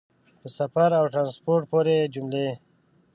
په سفر او ټرانسپورټ پورې جملې